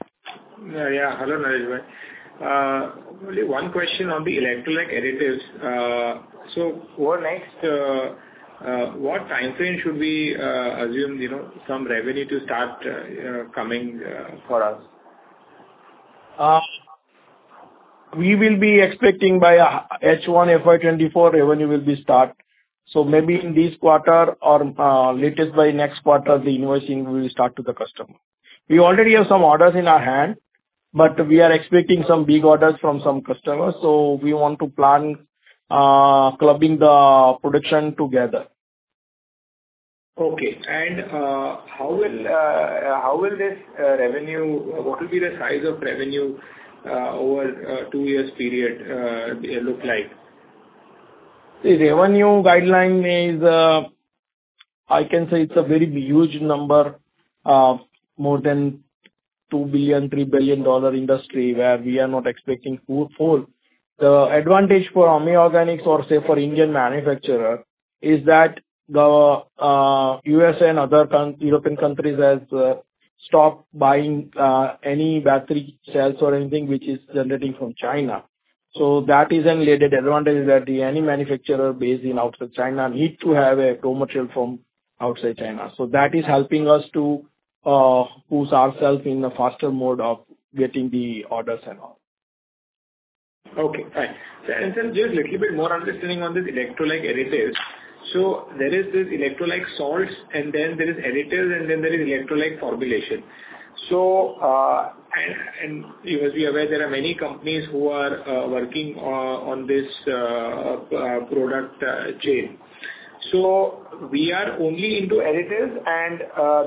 yeah. Hello, Naresh bhai. Only one question on the electrolyte additives. So over next, what time frame should we assume, you know, some revenue to start, you know, coming for us? We will be expecting by H1 FY 2024 revenue will be start. So maybe in this quarter or latest by next quarter, the invoicing will start to the customer. We already have some orders in our hand, but we are expecting some big orders from some customers, so we want to plan clubbing the production together. Okay. How will this revenue... What will be the size of revenue over two years period, it look like? The revenue guideline is, I can say it's a very huge number, more than $2 billion-$3 billion industry, where we are not expecting full, full. The advantage for Ami Organics, or say for Indian manufacturer, is that the, US and other coun- European countries has, stopped buying, any battery cells or anything which is generating from China. So that is an added advantage, that any manufacturer based in outside China need to have a raw material from outside China. So that is helping us to, push ourself in a faster mode of getting the orders and all. Okay, fine. So, and then just little bit more understanding on this electrolyte additives. So there is this electrolyte salts, and then there is additives, and then there is electrolyte formulation. So, and you must be aware, there are many companies who are working on this product chain. So we are only into additives and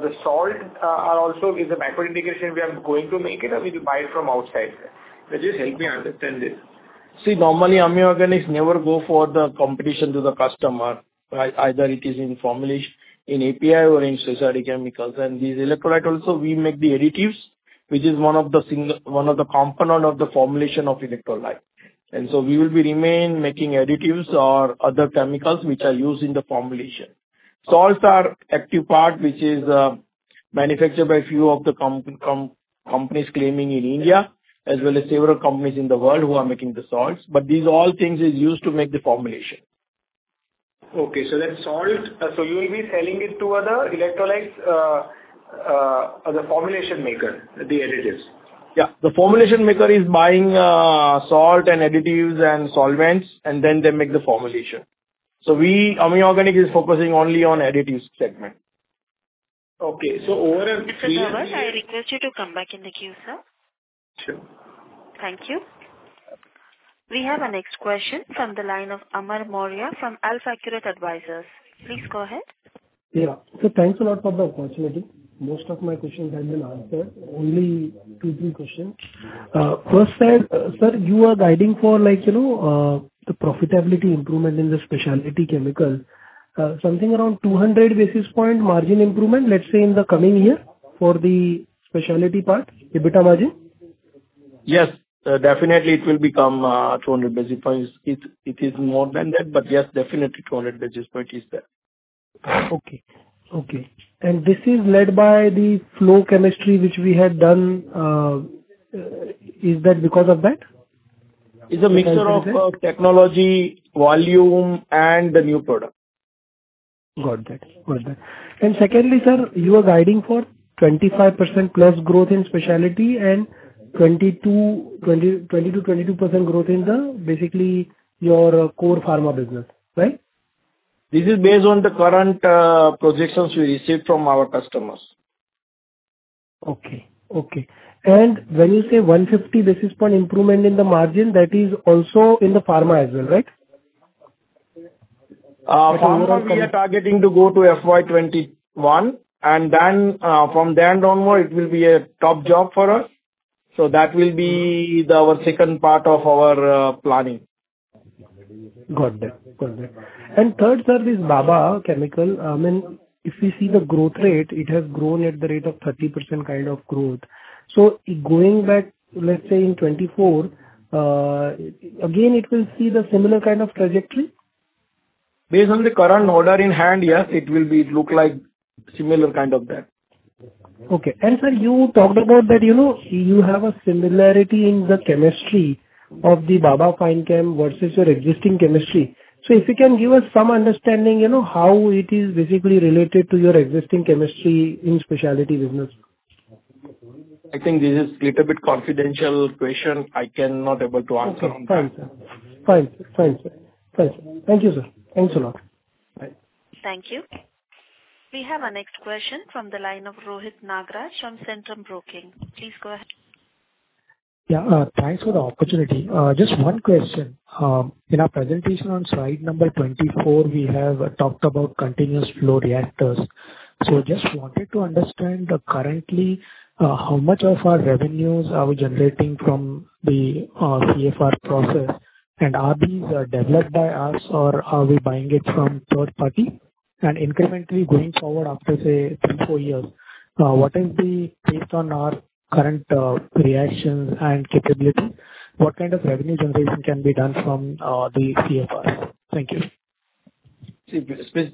the salt are also, is the backward integration, we are going to make it or we buy it from outside? So just help me understand this. See, normally, Ami Organics never go for the competition to the customer, right, either it is in formulation, in API or in specialty chemicals. And these electrolyte also, we make the additives, which is one of the component of the formulation of electrolyte. And so we will be remain making additives or other chemicals which are used in the formulation. Salts are active part, which is manufactured by a few of the companies coming in India, as well as several companies in the world who are making the salts. But these all things is used to make the formulation. Okay, so that salt, so you will be selling it to other electrolytes, the formulation maker, the additives? Yeah. The formulation maker is buying salt and additives and solvents, and then they make the formulation. So we, Ami Organics, is focusing only on additives segment. Okay, so over a- Mr. Dhawal, I request you to come back in the queue, sir. Sure. Thank you. We have our next question from the line of Amar Maurya from AlfAccurate Advisors. Please go ahead. Yeah. So thanks a lot for the opportunity. Most of my questions have been answered. Only two, three questions. First, sir, you are guiding for like, you know, the profitability improvement in the specialty chemicals, something around 200 basis point margin improvement, let's say, in the coming year for the specialty part, EBITDA margin? Yes, definitely it will become 200 basis points. It is more than that, but yes, definitely 200 basis points is there. Okay, okay. This is led by the flow chemistry, which we had done. Is that because of that? It's a mixture of technology, volume, and the new product. Got that. Got that. And secondly, sir, you are guiding for 25%+ growth in specialty and 20%-22% growth in the, basically your core pharma business, right? This is based on the current projections we received from our customers. Okay, okay. When you say 150 basis point improvement in the margin, that is also in the pharma as well, right? Pharma, we are targeting to go to FY 2021, and then, from then onward, it will be a top job for us. So that will be the, our second part of our, planning. Got that. Got that. And third, sir, this Baba Fine Chemicals, I mean, if we see the growth rate, it has grown at the rate of 30% kind of growth. So going back, let's say, in 2024, again, it will see the similar kind of trajectory? Based on the current order in hand, yes, it will be look like similar kind of that. Okay. And sir, you talked about that, you know, you have a similarity in the chemistry of the Baba Fine Chemicals versus your existing chemistry. So if you can give us some understanding, you know, how it is basically related to your existing chemistry in specialty business? I think this is little bit confidential question. I cannot able to answer on that. Okay, fine, sir. Fine, fine, sir. Fine. Thank you, sir. Thanks a lot. Bye. Thank you. We have our next question from the line of Rohit Nagraj from Centrum Broking. Please go ahead. Yeah, thanks for the opportunity. Just one question. In our presentation on slide number 24, we have talked about Continuous Flow Reactors... So just wanted to understand, currently, how much of our revenues are we generating from the, CFR process, and are these, developed by us, or are we buying it from third party? And incrementally going forward after, say, 3-4 years, what is the based on our current, reactions and capability, what kind of revenue generation can be done from, the CFR? Thank you. See,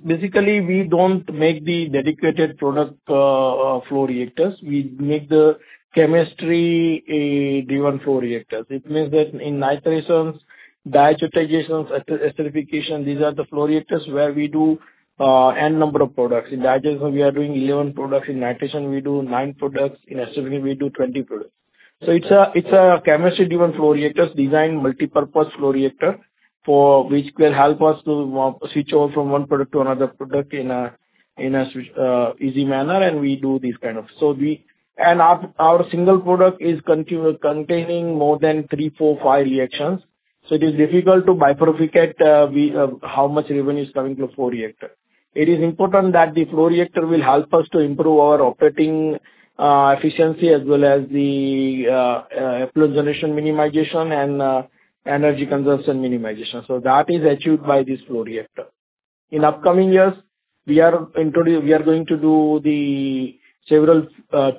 basically, we don't make the dedicated product flow reactors. We make the chemistry driven flow reactors. It means that in nitrations, diazotizations, esterification, these are the flow reactors where we do n number of products. In diazotization, we are doing 11 products, in nitration we do 9 products, in esterification we do 20 products. So it's a chemistry-driven flow reactors, design multipurpose flow reactor for which will help us to switch over from one product to another product in an easy manner, and we do this kind of. So and our single product is containing more than 3, 4, 5 reactions, so it is difficult to bifurcate how much revenue is coming to a flow reactor. It is important that the flow reactor will help us to improve our operating efficiency as well as the effluent generation minimization and energy consumption minimization. So that is achieved by this flow reactor. In upcoming years, we are going to do several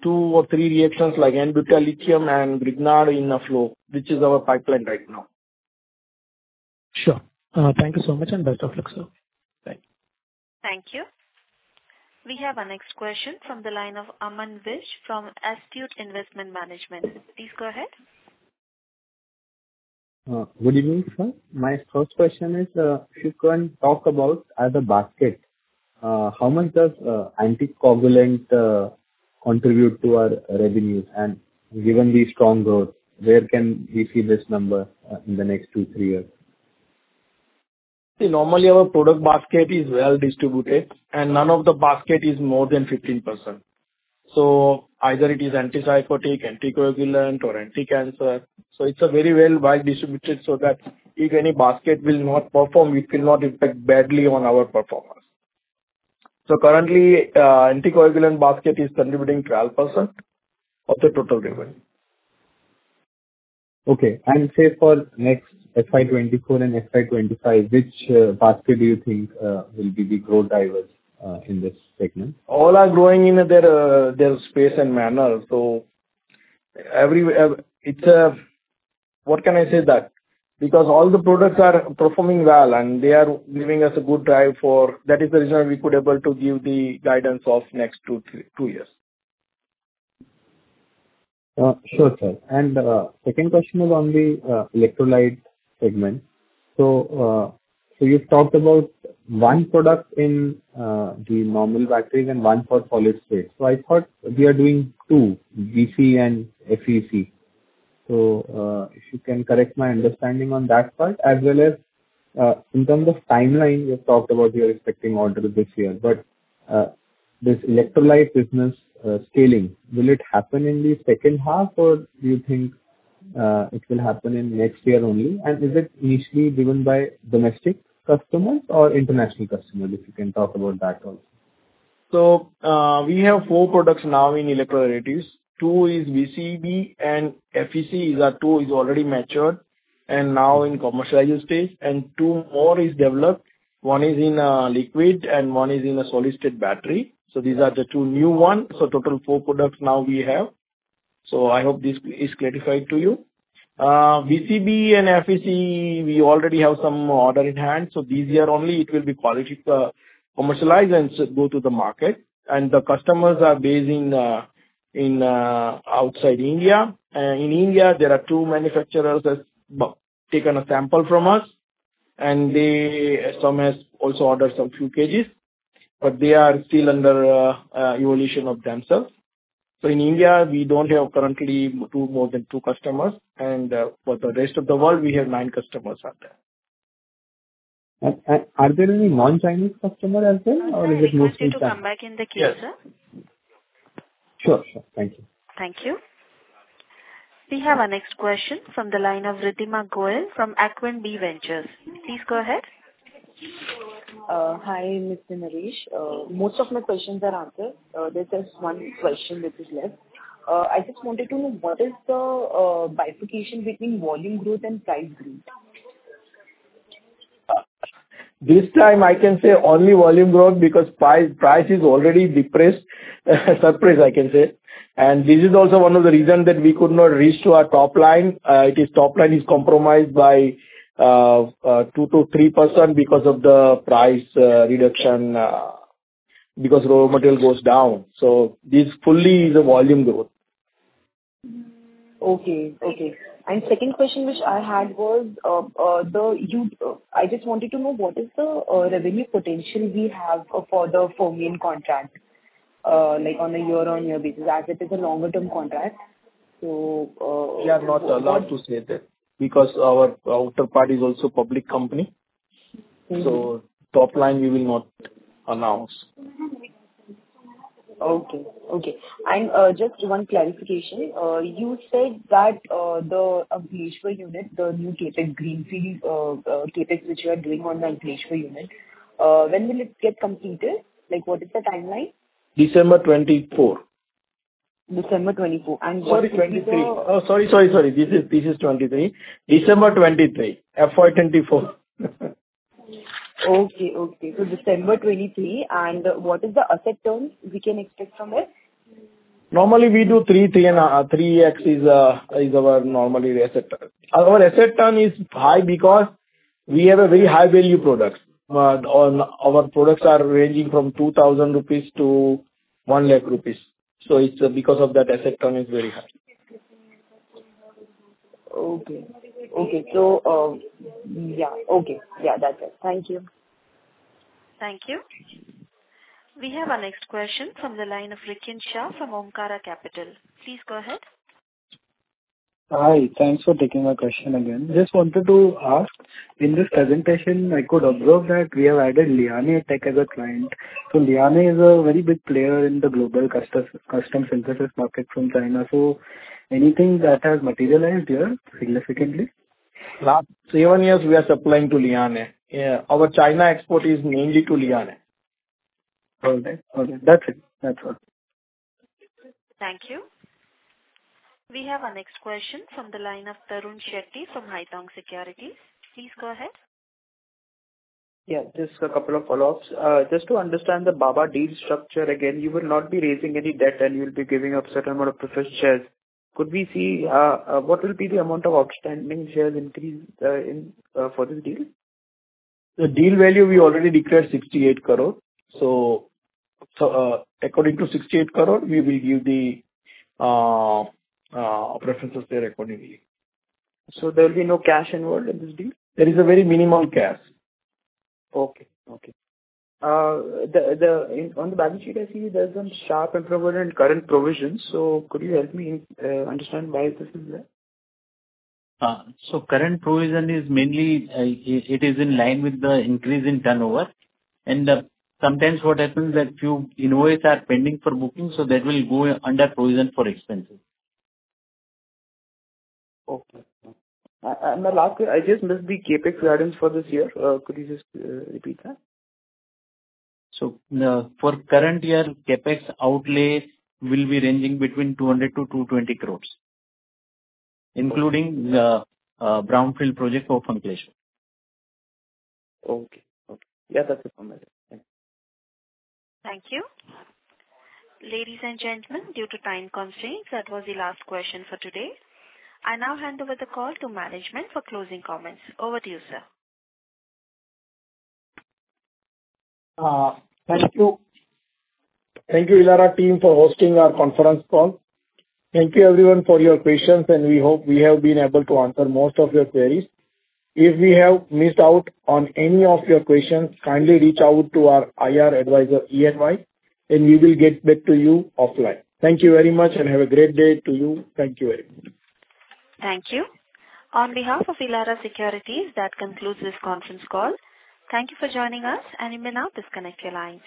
two or three reactions, like n-butyllithium and Grignard in a flow, which is our pipeline right now. Sure. Thank you so much, and best of luck, sir. Bye. Thank you. We have our next question from the line of Aman Vij from Astute Investment Management. Please go ahead. Good evening, sir. My first question is, if you can talk about as a basket, how much does anticoagulant contribute to our revenues? And given the strong growth, where can we see this number in the next 2-3 years? See, normally, our product basket is well distributed, and none of the basket is more than 15%. So either it is antipsychotic, anticoagulant, or anticancer, so it's a very well wide distributed, so that if any basket will not perform, it will not impact badly on our performance. So currently, anticoagulant basket is contributing 12% of the total revenue. Okay, and say, for next FY 2024 and FY 2025, which basket do you think will be the growth drivers in this segment? All are growing in their space and manner, so it's a... What can I say that? Because all the products are performing well, and they are giving us a good drive for that. That is the reason we could able to give the guidance of next 2, 3, 2 years. Sure, sir. And, second question is on the electrolyte segment. So, so you've talked about one product in the normal batteries and one for solid state. So I thought we are doing two, VCB and FEC. So, if you can correct my understanding on that part, as well as in terms of timeline, you've talked about you are expecting order this year, but this electrolyte business scaling will it happen in the second half, or do you think it will happen in next year only? And is it initially driven by domestic customers or international customers? If you can talk about that also. So, we have 4 products now in electrolytes. 2 is VCB and FEC is our 2, is already matured, and now in commercializing stage, and 2 more is developed. 1 is in liquid and 1 is in a solid state battery. So these are the 2 new one, so total 4 products now we have. So I hope this is clarified to you. VCB and FEC, we already have some order in hand, so this year only it will be quality commercialized and go to the market. And the customers are based in outside India. In India, there are 2 manufacturers that have taken a sample from us, and they... Some has also ordered some few kgs, but they are still under evaluation of themselves. In India, we don't have currently two, more than two customers, and for the rest of the world, we have nine customers out there. Are there any non-Chinese customers as well, or is it mostly Chinese? I'll ask you to come back in the queue, sir. Yes. Sure, sure. Thank you. Thank you. We have our next question from the line of Ridhima Goyal from Acquaint Bee Ventures. Please go ahead. Hi, Mr. Naresh. Most of my questions are answered. There's just one question which is left. I just wanted to know what is the bifurcation between volume growth and price growth? This time I can say only volume growth, because price is already depressed, suppressed, I can say. This is also one of the reasons that we could not reach to our top line. The top line is compromised by 2%-3% because of the price reduction because raw material goes down. So this fully is a volume growth. Okay. Okay. Second question which I had was, I just wanted to know what is the revenue potential we have for the Fermion contract, like on a year-on-year basis, as it is a longer term contract, so, We are not allowed to say that, because our other party is also public company. Mm-hmm. Top line, we will not announce.... Okay, okay. And, just one clarification. You said that, the Ankleshwar unit, the new CapEx greenfield, CapEx which you are doing on the Ankleshwar unit, when will it get completed? Like, what is the timeline? December twenty-four. December 24, and what is the- Sorry, 23. Sorry. This is 23. December 2023, FY 2024. Okay, okay. So December 2023. And what is the asset turn we can expect from it? Normally, we do 3, 3, and 3x is our normal asset turnover. Our asset turnover is high because we have very high-value products. Our products are ranging from 2,000 rupees to 100,000 rupees. So it's because of that, asset turnover is very high. Okay. Okay. So, yeah, okay. Yeah, that's it. Thank you. Thank you. We have our next question from the line of Rikin Shah from Omkara Capital. Please go ahead. Hi. Thanks for taking my question again. Just wanted to ask, in this presentation, I could observe that we have added Lianhetech as a client. So Lianhetech is a very big player in the global custom, custom synthesis market from China. So anything that has materialized here significantly? Last 31 years, we are supplying to Liany. Yeah, our China export is mainly to Liany. Okay. Okay. That's it. That's all. Thank you. We have our next question from the line of Tarun Shetty from Haitong Securities. Please go ahead. Yeah, just a couple of follow-ups. Just to understand the Baba deal structure again, you will not be raising any debt, and you'll be giving up certain amount of preferred shares. Could we see what will be the amount of outstanding shares increased in for this deal? The deal value we already declared 68 crore. So, according to 68 crore, we will give the preferences there accordingly. So there will be no cash involved in this deal? There is a very minimal cash. Okay, okay. On the balance sheet, I see there's some sharp improvement in current provisions. So could you help me understand why this is there? So, current provision is mainly, it is in line with the increase in turnover. And, sometimes what happens that few invoices are pending for booking, so that will go under provision for expenses. Okay. And the last question, I just missed the CapEx guidance for this year. Could you just repeat that? For current year, CapEx outlay will be ranging between 200 crores-220 crores, including the brownfield project for Ankleshwar. Okay. Okay. Yeah, that's it from my end. Thank you. Thank you. Ladies and gentlemen, due to time constraints, that was the last question for today. I now hand over the call to management for closing comments. Over to you, sir. Thank you. Thank you, Elara team, for hosting our conference call. Thank you, everyone, for your questions, and we hope we have been able to answer most of your queries. If we have missed out on any of your questions, kindly reach out to our IR advisor, ENY, and we will get back to you offline. Thank you very much, and have a great day to you. Thank you, everyone. Thank you. On behalf of Elara Securities, that concludes this conference call. Thank you for joining us, and you may now disconnect your lines.